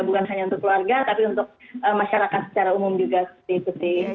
bukan hanya untuk keluarga tapi untuk masyarakat secara umum juga diikuti